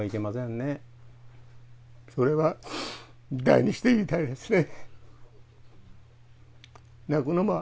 それは大にして言いたいですね。